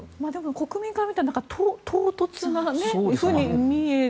国民から見たら唐突なふうに見える。